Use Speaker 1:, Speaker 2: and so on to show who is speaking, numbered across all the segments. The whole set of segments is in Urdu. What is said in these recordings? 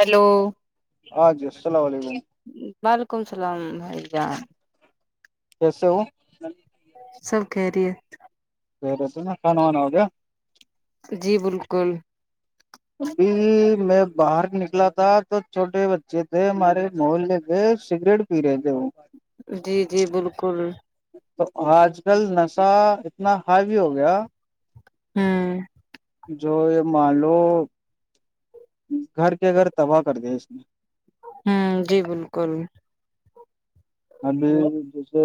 Speaker 1: ہلو
Speaker 2: ہاں جی السلام علیکم
Speaker 1: وعلیکم السلام بھائی جان
Speaker 2: کیسے ہو
Speaker 1: سب کہریت
Speaker 2: اور سناؤ کھانا وانا ہوگیا
Speaker 1: جی بالکل
Speaker 2: ابھی میں باہر نکلا تھا تو چھوٹے بچے تھے ہمارے محلے کے سگریٹ پی رہے تھے وہ
Speaker 1: جی جی بالکل
Speaker 2: تو آج کل نشہ اتنا ہائی وی ہو گیا
Speaker 1: ہمم
Speaker 2: جو یہ مان لو گھر کے گھر تباہ کر دیا اس نے
Speaker 1: ہوں جی بالکل
Speaker 2: ابھی جیسے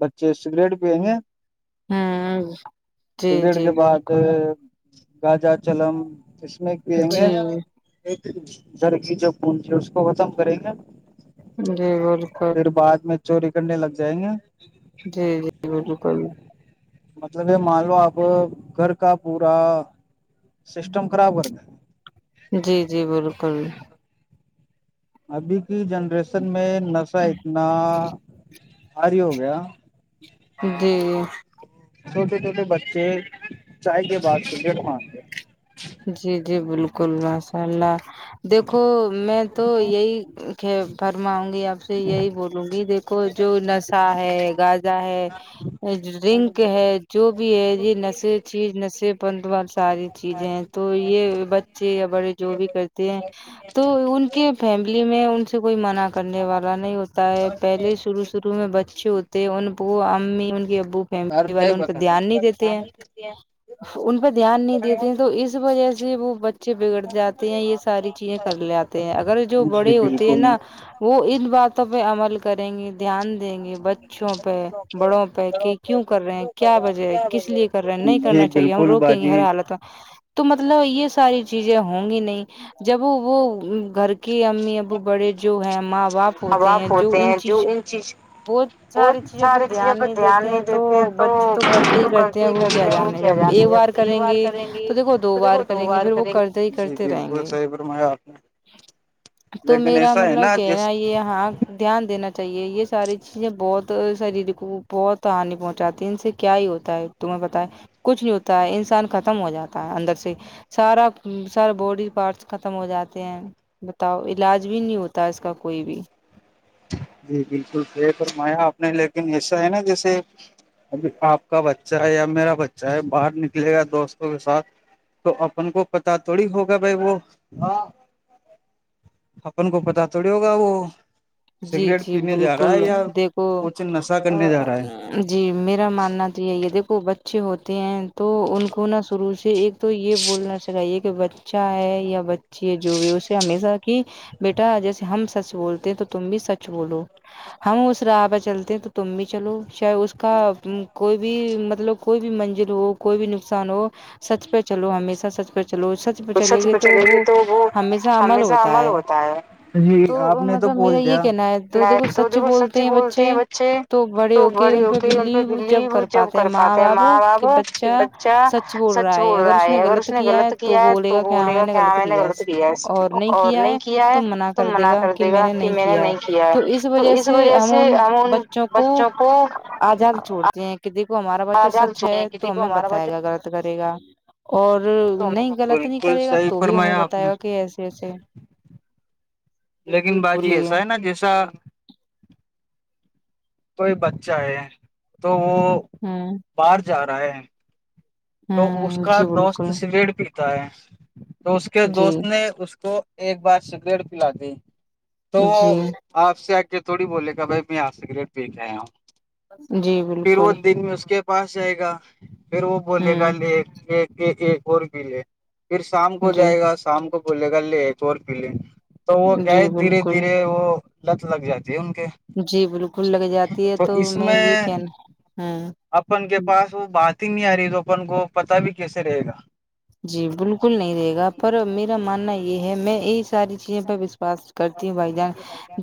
Speaker 2: بچے سگریٹ پئیں گے
Speaker 1: ہوں جی
Speaker 2: سگریٹ
Speaker 1: جی
Speaker 2: کے بعد
Speaker 1: بالکل
Speaker 2: گانجا چلم اس میں پینگے
Speaker 1: جی
Speaker 2: ایک در کی جو کونجی ہے اس کو ختم کریں گے
Speaker 1: جی بالکل
Speaker 2: پھر بعد میں چوری کرنے لگ جائیں گے
Speaker 1: جی جی بالکل
Speaker 2: مطلب یہ مان لو آپ گھر کا پورا سسٹم خراب کرتا
Speaker 1: جی جی بالکل
Speaker 2: ابھی کی جنریشن میں نشہ اتنا بھاری ہو گیا
Speaker 1: جی
Speaker 2: چھوٹے چھوٹے بچے چائے کے بعد سگریٹ مارتے
Speaker 1: جی جی بالکل ماشاء اللہ دیکھو میں تو یہی کھ فرماؤں گی آپ سے یہی بولوں گی دیک کو جو نشہ ہے گاجا ہے ڈرنک ہے جو بھی ہے یہ نشے چیز نشے پنت وال ساری چیزیں ہیں تو یہ بچے یا بڑے جو بھی کرتے ہیں تو ان کے فیملی میں ان سے کوئی منع کرنے والا نہیں ہوتا ہے پہلے شرو شروع میں بچے ہوتے ہیں ان وہ امی ان کے ابو
Speaker 2: یار
Speaker 1: فملی
Speaker 2: کیا
Speaker 1: والے
Speaker 2: ہی
Speaker 1: ان پہ
Speaker 2: بتا دیں۔
Speaker 1: دھیان نہیں دیتے ہیں ان پہ دھیان نہیں دیتے ہیں تو اس وجہ سے وہ بچے بگڑ جاتے تے ہیں یہ ساری چیزیں کر لے آتے ہیں اگر جو
Speaker 2: جی
Speaker 1: بڑے ہوتے ہیں
Speaker 2: بالکل
Speaker 1: نا وہ ان باتوں پہ عمل کریں گے دھیان دیں گے بچوں پہ بڑوں پہ کہ کیوں کر رہے ہیں کیا وجہ ہے کس لیے کر رہے ہیں نہیں
Speaker 2: جی
Speaker 1: کرنا چاہیے ہم
Speaker 2: بالکل
Speaker 1: روکیں گے ہر
Speaker 2: باجی
Speaker 1: حالت تو مطلب یہ ساری چیزیں ہوں گی نہیں جب وہ وہ گھر کی امی ابو بڑے جو ہے ماں باپ ہوتے ہیں جو ان چیز بہت ساری چیزوں پہ دھیان نہیں دیتے ہیں تو بچے تو کرتے ہی کرتے ہیں وہ کیا جانے جب ایک بار کریں گے تو دیکھو دو بار کریں گے پھر وہ کرتے ہی
Speaker 2: جی
Speaker 1: کرتے رہیں
Speaker 2: بالکل
Speaker 1: گے
Speaker 2: صحیح فرمایا آپ نے
Speaker 1: تو
Speaker 2: لیکن
Speaker 1: میرا
Speaker 2: ایسا ہے
Speaker 1: مطلب
Speaker 2: نا
Speaker 1: کہنا
Speaker 2: جس
Speaker 1: یہ ہاں دھیان دینا چاہیے یہ ساری چیزیں بہت شریر کو بہت ہانی پہنچاتی ہیں ان سے کیا ہی ہوتا ہے تمہیں پتا ہے کچھ نہیں ہوتا ہے انسان ختم ہو جاتا تا ہے اندر سے ہی سارا سارا باڈی پارٹس ختم ہو جاتے ہیں بتاؤ علاج بھی نہیں ہوتا اس کا کوئی بھی
Speaker 2: جی بالکل صحیح فرمایا آپ نے لیکن ایسا ہے نا جیسے ابھی آپ کا بچہ ہے یا میرا بچہ ہے باہر نکلے گا دوستوں کے ساتھ تو اپن کو پتا تھوڑی ہوگا بھائی وہ اپن کو پتہ تھوڑی ہو گا وہ
Speaker 1: جی
Speaker 2: سگریٹ
Speaker 1: جی
Speaker 2: پینے جا رہا ہے
Speaker 1: بالکل
Speaker 2: یا
Speaker 1: دیکھو
Speaker 2: کچھ نشہ کرنے جا رہا ہے
Speaker 1: جی میرا ماننا تو یہی ہے دیکھو بچے ہوتے ہیں تو ان کو نا شروع سے ایک تو یہ بولنا چاہیے کہ بچہ ہے یا بچی ہے جو بھی اسے ہمیشہ کی بیٹا جیسے ہم سچ بولتے ہیں تو تم بھی سچ بولو ہم اس راہ پہ چلتے ہیں تو تم بھی چلو شاہ اس کا کوئی بھی مطلب کوئی بھی منزل ہو کوئی بھی نقصان ہو سچ پہ چلو ہمیشہ سچ پہ چلو سچ پہ چلیں گے تو وہ ہمیشہ عمل ہوتا ہے
Speaker 2: جی آپ نے تو
Speaker 1: میرا
Speaker 2: بول
Speaker 1: یہ
Speaker 2: دیا
Speaker 1: کہنا ہے تو دیکھو سچ بولتے ہیں بچے تو بڑے ہو کے ان پہ ویلیو جب کر پاتے ہیں ماں باپ کہ بچا سچ بول رائے اگر اس نے غلط کیا ہے تو بولے گا کہ ہاں میں نے غلط کیا ہے اور نہیں کیا ہے تو منا کر دے گا کہ میں نے نہیں کیا ہے تو اس وجہ سے ہم ان بچوں کو آزاد چھوڑتے ہیں کہ دیکھو ہمارا بچہ سچ ہے تو ہمیں بتائے گا غلط کرے گا اور نہیں غلط نہیں
Speaker 2: بالکل
Speaker 1: کرے گا
Speaker 2: صحیح
Speaker 1: تو بھی ہمیں
Speaker 2: فرمایا آپ
Speaker 1: بتائے
Speaker 2: نے
Speaker 1: گا کہ ایسے ایسے
Speaker 2: لیکن
Speaker 1: جی
Speaker 2: باجی
Speaker 1: بولیے
Speaker 2: ایسا ہے نا جیسا کوئی بچہ ہے تو وہ
Speaker 1: ہاں
Speaker 2: باہر جا رہا ہیں تو اس
Speaker 1: ہوں
Speaker 2: کا
Speaker 1: جی
Speaker 2: دوست
Speaker 1: بالکل
Speaker 2: سگریٹ پی تاہے تو اس کے
Speaker 1: جی
Speaker 2: دوست نے اس کو ایک بار سگریٹ پلا دی تو
Speaker 1: جی
Speaker 2: آپ سے آ کے تھوڑی بولے گا بھائی میں اج سگریٹ پیکے آیا ہو
Speaker 1: جی
Speaker 2: پھر وہ
Speaker 1: بالکل
Speaker 2: دن میں اس کے پاس جائے گا پھر وہ بولے
Speaker 1: ہوں
Speaker 2: گا لیک ایک ایک اور پی لے پھر شام کو
Speaker 1: جی
Speaker 2: جائے گا شام کو بولے گا لے ایک اور بھی لے تو وہ کیا ہے
Speaker 1: جی
Speaker 2: دھیرے
Speaker 1: بالکل
Speaker 2: دھیرے وہ لت لگ جاتی ہے ان کے
Speaker 1: جی بالکل لگ جاتی ہے تو میں یہ کہنا ہوں
Speaker 2: اپن کے پاس وہ بات ہی نہیں آ رہی تو اپن کو پتا بھی کیسے رہے گا
Speaker 1: جی بالکل نہیں رہے گا پر میرا ماننا یہ ہے میں اس ساری چیزیں پے وشواس کرتی ہوں بھائی جان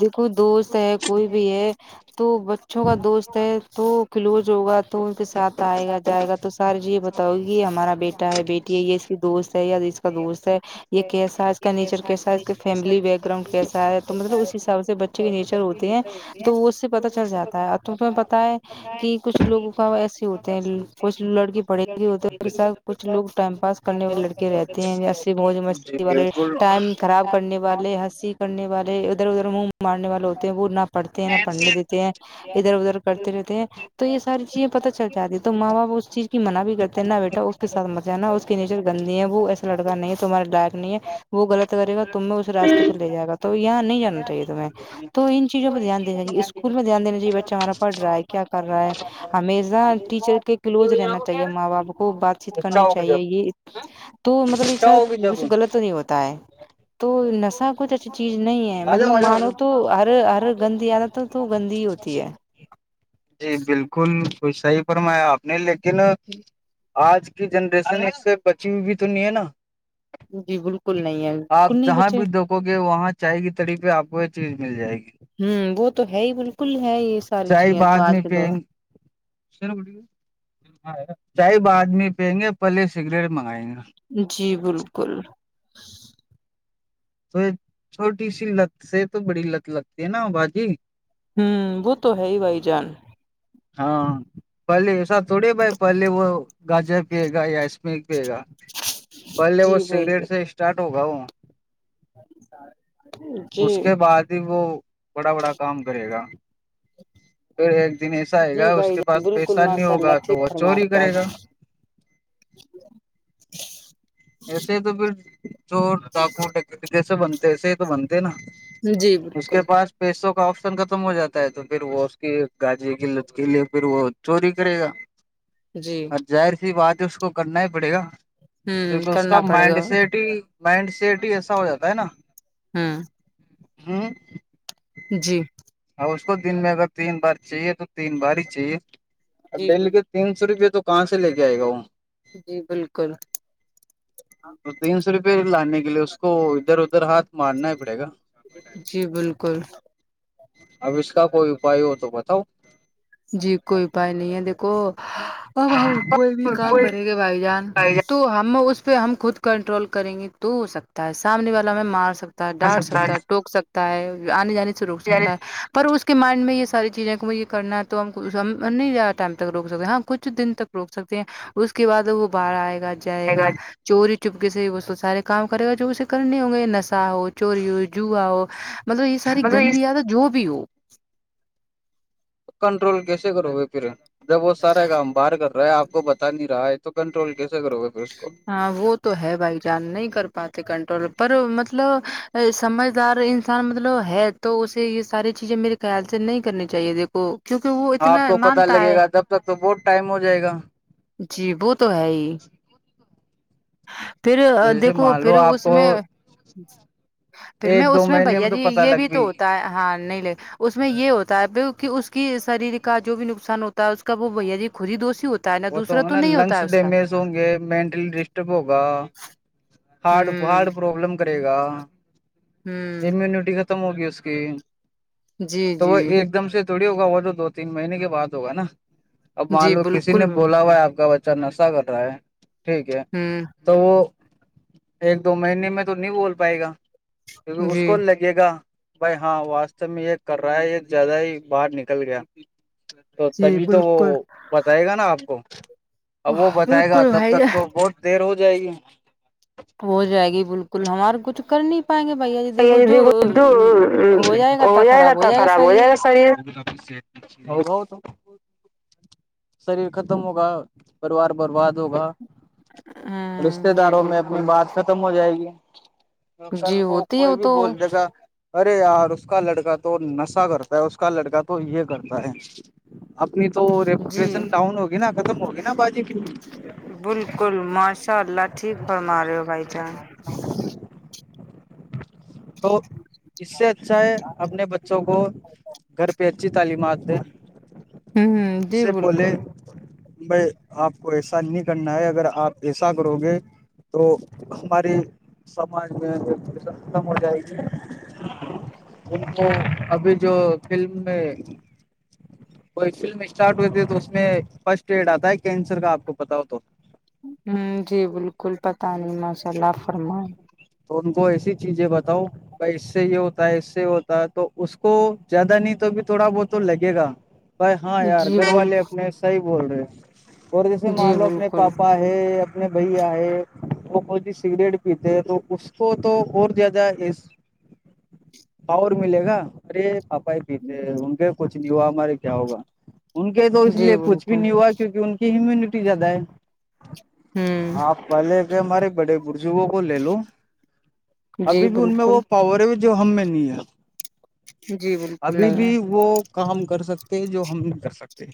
Speaker 1: دیکھو دوست ہے کوئی بھی ہے تو اچھوں کا دوست ہے تو کلوز ہوگا تو ان کے ساتھ آئے گا جائے گا تو سارے جی تو گی ہمارا بیٹا ہے بیٹی یہ اس کی دوست ہے یا اس کا دوست ہے یہ کیسا ہے اس کا نیچر کیسا ہے اس کا فیملی بیک گراؤنڈ کیسا ہے تو مطلب اس حساب سے بچے کے نیچر ہوتے ہیں تو وہ اس پتا چل جاتا ہے تم تمہیں پتاہ ہے کہ کچھ لوگوں کا ایسے ہوتے ہیں کچھ لڑکی پڑھے لے ہوتے ہیں اور کچھ لوگ ٹائم پاس کرنے والے لڑکے رہتے ہیں جیسے موج
Speaker 2: جی
Speaker 1: مستی والے
Speaker 2: بالکل
Speaker 1: ٹائم خراب کرنے والے ہنسی کرنے والے ادھر ادھر منہ مارنے والے ہوتے ہیں وہ نہ پڑھتے ہیں نہ پڑھنے دیتے ہیں ادھر ادھر کرتے رہتے ہیں تو یہ ساری چیزیں پتا چل جاتی ہے تو ماں باپ اس چیز کی منع بھی کرتے ہیں نہ بیٹا اس کے ساتھ مت جانا اس کے نیچر گندی ہے وہ ایسا لڑکا نہیں ہے تمہارے ڈایق نہیں ہے وہ غلط کرے گا تمہیں اس راستے پر لے جائے گا تو یہاں نہیں جانا چاہیے تمہیں
Speaker 2: اچھا
Speaker 1: تو ان چیزوں پہ دھیان دینا اس اکول میں دھیان دینا چاہیے بچہ ہمارا پڑ رہا ہے کیا کر رہا ہے ہمیزا ٹیچر کے کلوز رہنا چاہیے ماں باپ کو بات چیت کر نی
Speaker 2: ہوگی جب
Speaker 1: چاہیے یہ تو مطلب یہ
Speaker 2: اچھا
Speaker 1: سب
Speaker 2: ہوگی جب
Speaker 1: کچھ غلط نہیں ہوتا ہے تو نشہ کچھ اچھی چیز نہیں ہے
Speaker 2: آ
Speaker 1: مطلب
Speaker 2: جاؤ آ جاؤ آ
Speaker 1: مانو
Speaker 2: جاؤ
Speaker 1: تو ہر ہر گندی عادت تو تو گندی ہی ہوتی ہے
Speaker 2: جی بالکل کچھ صحیح فرمایا آپ نے لیکن آج کی جنریشن اس سے بچی ہوئی بھی تو نہیں ہے نا
Speaker 1: جی بالک کل نہیں ہے
Speaker 2: آپ
Speaker 1: بالکل نہیں
Speaker 2: جہاں
Speaker 1: بچے
Speaker 2: بھی دیکھو گے وہاں چاے کی تڑی پہ آپ کو یہ چیز مل جائے گی
Speaker 1: ہوں وہ تو ہے ہی بالکل ہے ساری
Speaker 2: چاے
Speaker 1: چیزیں تو
Speaker 2: بعد
Speaker 1: آج
Speaker 2: میں
Speaker 1: کے دور
Speaker 2: پینگ چاۓ بعد میں پینگے گے پہلے سگریٹ منگائیں گے
Speaker 1: جی بالکل
Speaker 2: تو یہ چھوٹی سی لت سے تو بڑی لت لگتی ہے نا باجی
Speaker 1: ہمم وہ تو ہے ہی بھائی جان
Speaker 2: ہاں پہلے ایسا تھوڑی بھائی پہلے وہ گاجر پیے گا یا اسمیک پیے گا پہلے وہ
Speaker 1: جی بھائی
Speaker 2: سگریٹ
Speaker 1: جان
Speaker 2: سے اسٹارٹ ہوگا وہ اس
Speaker 1: جی
Speaker 2: کے بعد ہی وہ بڑا بڑا کام کرے گا پھر ایک دن ایسا آئے
Speaker 1: جی
Speaker 2: گا اس
Speaker 1: بھائی
Speaker 2: کے
Speaker 1: جان
Speaker 2: پاس
Speaker 1: بالکل
Speaker 2: پیسہ نہیں
Speaker 1: ماشاء اللہ
Speaker 2: ہوگا
Speaker 1: ٹھیک
Speaker 2: تو وہ
Speaker 1: فرما
Speaker 2: چوری
Speaker 1: رہے آپ
Speaker 2: کرے گا ایسے ہی تو پھر چور ڈاکو جیسے بنتے ایسے ہی تو بنتے نا
Speaker 1: جی
Speaker 2: اس
Speaker 1: بک
Speaker 2: کے پاس پیسوں کا آپشن ختم ہو جاتا ہے تو پھر وہ اس کی گانجے کی لت کے لیے پھر وہ چوری کرے گا
Speaker 1: جی
Speaker 2: اور ظاہر سی بات ہے اس کو کرنا ہی پڑے گا
Speaker 1: ہوں
Speaker 2: کیونکہ اس کا
Speaker 1: کرنا پڑے
Speaker 2: مائنڈ
Speaker 1: گا
Speaker 2: سیٹ ہی مائنڈ سیٹ ہی ایسا ہو جاتا ہے نا
Speaker 1: ہممم
Speaker 2: ہمم
Speaker 1: جی
Speaker 2: ہاں اس کو دن میں اگر تین بار چاہیے تو تین بار ہی چاہیے
Speaker 1: جی
Speaker 2: دن کے تین سو روپے تو کہاں سے لے کے آئے گا وہ
Speaker 1: جی بالکل
Speaker 2: تو تین سو روپے لانے کے لیے اس کو ادھر ادھر ہاتھ مارنا ہی پڑے گا
Speaker 1: جی بالکل
Speaker 2: اب اس کا کوئی اپائے ہو تو بتاؤ
Speaker 1: جی کوئی اپائے نہیں ہے دیکھو ہاؤ ہاؤ اب کوئی بھی کام کرے گے بھائی جان تو ہم اس پہ ہم خود کنٹرول کریں گے تو ہو سکتا ہے سامنے والا ہمیں مار سکتا ہے ڈانٹ سکتا ہے ٹوک سکتا تا ہے آنے جانے سے روک سکتا ہے پر اس کے مائنڈ میں یہ ساری چیزیں کو یہ کرنا تو ہم کو ہم نہیں زیادہ ٹائم تک روک سکتے ہاں کچھ دن تک روک سکتے ہیں اس کے بعد وہ باہر آئے گا جائے گا چوری چپکے سے وہ سارے کام کرے گا جو اسے کرنے ہوں گے نشا ہو چوری ہو جوا ہو مطلب یہ ساری گندی عادت جو بھی ہو
Speaker 2: کنٹرول کیسے کرو گے پھر جب وہ سارا کام باہر کر رہے ہے آپ کو بتا نہیں رہا ہے تو کنٹرول کیسے کرو گے پھر اس کو
Speaker 1: ہاں وہ تو ہے بھائی جان نہیں کر پاتے کنٹرول پر مطلب سمجھدار انسان مطلب ہے تو اسے یہ ساری چیزیں میرے خیال سے نہیں کرنی چاہیے دیکھو کیونکہ وہ
Speaker 2: آپ
Speaker 1: اتنا
Speaker 2: کو پتا
Speaker 1: مانتا
Speaker 2: لگے
Speaker 1: ہے
Speaker 2: گا تب تو بہت ٹائم ہو جائے گا
Speaker 1: جی وہ تو ہے ہی پھر
Speaker 2: جیسے
Speaker 1: دیکھو
Speaker 2: مان
Speaker 1: پھر
Speaker 2: لو
Speaker 1: اس
Speaker 2: آپ کو
Speaker 1: میں پھر میں
Speaker 2: ایک دو
Speaker 1: اس میں
Speaker 2: مہینے
Speaker 1: بھیا
Speaker 2: تو
Speaker 1: جی
Speaker 2: پتا
Speaker 1: یہ بھی
Speaker 2: لگ
Speaker 1: تو ہوتا ہے ہاں نہیں ل اس میں یہ ہوتا ہے کہ اس کی شریر کا جو بھی نقصان ہوتا اس کا وہ بھیا جی خود ہی دوستی ہوتا ہے نا تو
Speaker 2: وہ تو
Speaker 1: دوسرا
Speaker 2: نا
Speaker 1: نہیں ہوتا
Speaker 2: لنگس
Speaker 1: ہے اس کا
Speaker 2: ڈیمیج ہوں گے مینٹلی ڈسٹرب ہوگا ہارڈ ہڈ
Speaker 1: ہوں
Speaker 2: پروابلم کرے گا
Speaker 1: ہوں
Speaker 2: امیونٹی ختم ہوگی اس کی
Speaker 1: جی
Speaker 2: تو
Speaker 1: جی
Speaker 2: وہ ایک دم سے تھوڑی ہوگا وہ تو دو تین مہینے کے بعد ہوگا نا اب مان
Speaker 1: جی
Speaker 2: لو کسی نے
Speaker 1: بالکل
Speaker 2: بولا ہوا ہے آپ کا بچہ نشہ کر رہا ہے ٹھیک ہے
Speaker 1: ہوں
Speaker 2: تو وہ ایک دو مہینے میں تو نہیں بول پائے گا کیونکہ اس
Speaker 1: جی
Speaker 2: کو لگ ے گا بھائی ہاں واسستو میں یہ کر رہا ہے یہ زیادہ ہی باہر نکل گیا تو
Speaker 1: جی
Speaker 2: تبھی تو وہ
Speaker 1: بالکل
Speaker 2: بتائے گا نا آپ کو اب وہ بتائے گا
Speaker 1: بالکل
Speaker 2: تب
Speaker 1: بھائی
Speaker 2: تک
Speaker 1: جان
Speaker 2: تو بہت دیر ہو جائے گی
Speaker 1: ہو جائے گی بالکل ہمارے کچھ کر نہیں پائیں گے بھیا جی دیکھو جو ہو جائے گا
Speaker 2: ہو جائے گا تو خراب ہو جائے گا شریر شریر ختم ہوگا پریوار برباد ہوگا
Speaker 1: ہ
Speaker 2: رشتے
Speaker 1: جی
Speaker 2: داروں میں
Speaker 1: بالکل
Speaker 2: اپنی بات ختم ہو جائے گی کل
Speaker 1: جی
Speaker 2: کو
Speaker 1: ہوتی ہے
Speaker 2: کوئی
Speaker 1: وہ
Speaker 2: بھی
Speaker 1: تو
Speaker 2: بول دے گا ارے یار اس کا لڑکا تو نشہ کرتا ہے اس کا لڑکا تو یہ کرتا ہے اپنی تو
Speaker 1: جی
Speaker 2: ریپوٹیشن ڈاؤن ہوگی نا ختم ہوگی نا باجی کی
Speaker 1: بالکل ماشاء اللہ ٹھیک فرما رہے ہو بھائی جان
Speaker 2: تو اس سے اچھا ہے اپنے بچوں کو گھر پہ اچھی تعلیمات دیں
Speaker 1: ہمم
Speaker 2: اس سے بولے بائی آپ کو ایسا نہیں کرنا ہے اگر آپ ایسا کرو گے تو ہمارے سماج میں ختم ہو جائے گی ان ابھی جو فلم میں کوئی فلم اسٹارٹ ہوتے ہے تو اس میں فرسٹ ایڈ آتا ہے کینسر کا آپ کو پتا ہو تو
Speaker 1: ہمم جی بالکل پتہ نہیں ماشاء اللہ فرمائیں
Speaker 2: تو ان کو ایسی چیزیں بتاؤ بھائی اس سے یہ ہوتا ہے اس سے یہ ہوتا ہے تو اس کو زیادہ نہیں تو بھی تھوڑا بہت تو لگے گا بھائی ہاں یار
Speaker 1: جی
Speaker 2: گھر
Speaker 1: بول
Speaker 2: والے اپنے صحیح بول رہے ہیں اور جیسے
Speaker 1: جی
Speaker 2: مان لو اپنے
Speaker 1: بالکل
Speaker 2: پاپا ہے اپنےبھیا ہے وہ وہ جی سگریٹ پیتے تو اس کو تو اور زیادہ پاور ملے گا ارے پاپ پاپا پیتے ان کے کچھ نہیں ہوا ہمارے کیا ہوگا ان کے تو اس
Speaker 1: جی
Speaker 2: لیے کچھ بھی
Speaker 1: بالکل
Speaker 2: نہیں ہوا کیکہ ان کہ ہیمیونٹی زیادہ ہے
Speaker 1: ہوں
Speaker 2: ہاں پہلے کے ہمارے بڑے بزرگوں کو لیے لو
Speaker 1: جی
Speaker 2: ابھی بھی ان میں
Speaker 1: بالکل
Speaker 2: وہ پاور ہے جو ہم میں نہیں ہے
Speaker 1: جی بالکل
Speaker 2: ابھی
Speaker 1: نہیں
Speaker 2: بھی
Speaker 1: ہے
Speaker 2: وہ کام کر سکتے جو ہم نہیں کر سکتے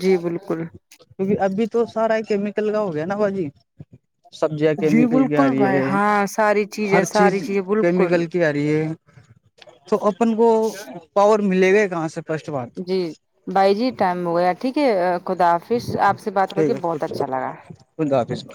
Speaker 1: جی بالکل
Speaker 2: کیونکہ ابھی تو سارا ہی کیمیکل کا ہو گیا نا باجی سبزیاں
Speaker 1: جی
Speaker 2: کیمیکل کی آ
Speaker 1: بالکل
Speaker 2: رہی
Speaker 1: بھائی
Speaker 2: ہے
Speaker 1: ہاں ساری چیزیں
Speaker 2: ہر
Speaker 1: ساری
Speaker 2: چیز
Speaker 1: چیزیں بالکل
Speaker 2: کیمیکل کی آ ر ی ہے تو اپن کو پاور ملے گا کہاں سے فرسٹ بات تو
Speaker 1: جی بھائی جی ٹائم ہو گیا ٹھیک ہے خدافش آپ سے بات کر
Speaker 2: ٹھیک
Speaker 1: کے
Speaker 2: ہے
Speaker 1: بہت
Speaker 2: خ
Speaker 1: اچھا لگا
Speaker 2: خدا فیس م